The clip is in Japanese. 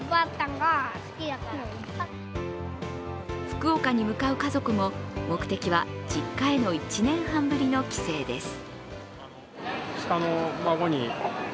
福岡に向かう家族も目的は実家への１年半ぶりの帰省です。